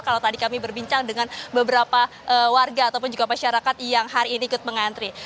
kalau tadi kami berbincang dengan beberapa warga ataupun juga masyarakat yang hari ini ikut mengantri